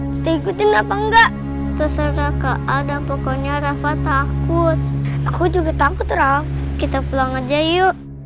hai diganti napa enggak terserah keada pokoknya rafa takut aku juga takut raw kita pulang aja yuk